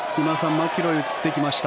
マキロイが映ってきました。